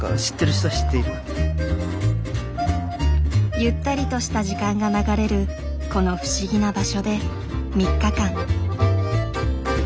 ゆったりとした時間が流れるこの不思議な場所で３日間。